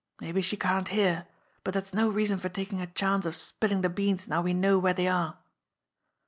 "Maybe she can't hear, but that's no reason for taking a chance of spilling the beans now we know where they are."